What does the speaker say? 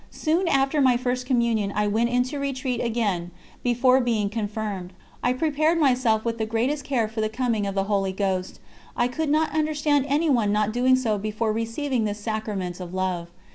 Soon after my First Communion I went into retreat again, before being confirmed. I prepared myself with the greatest care for the coming of the Holy Ghost; I could not understand anyone not doing so before receiving this Sacrament of Love.